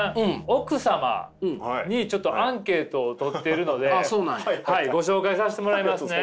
奥様にちょっとアンケートを取ってるのでご紹介させてもらいますね。